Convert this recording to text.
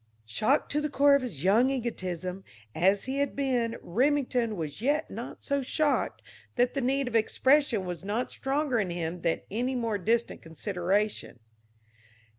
Shocked to the core of his young egotism as he had been, Remington was yet not so shocked that the need of expression was not stronger in him than any more distant consideration.